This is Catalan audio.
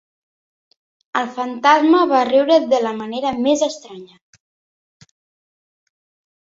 El fantasma va riure de la manera més estranya.